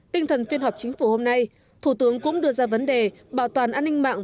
tinh thần phiên họp chính phủ hôm nay thủ tướng cũng đưa ra vấn đề bảo toàn an ninh mạng